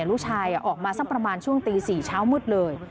ลูกชายออกมาสักประมาณช่วงตี๔เช้ามืดเลย